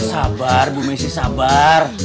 sabar ibu masih sabar